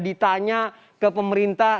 ditanya ke pemerintah